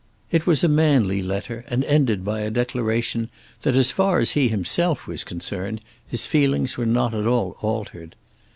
It was a manly letter and ended by a declaration that as far as he himself was concerned his feelings were not at all altered.